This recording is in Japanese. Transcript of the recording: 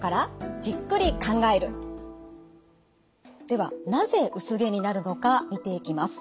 ではなぜ薄毛になるのか見ていきます。